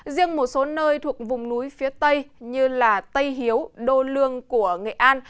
riêng một số nơi thuộc vùng núi phía tây như tây hiếu đô lương của nghệ an